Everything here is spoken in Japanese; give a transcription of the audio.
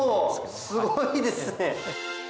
すごいですね。